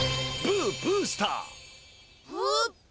ブーブースター？